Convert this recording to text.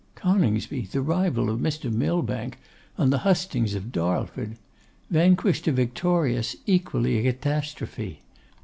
Coningsby the rival of Mr. Millbank on the hustings of Darlford! Vanquished or victorious, equally a catastrophe!